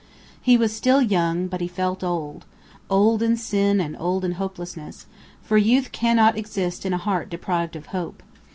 He was young still, but he felt old old in sin and old in hopelessness; for youth cannot exist in a heart deprived of hope.